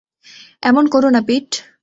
এমন কোরো না পিট।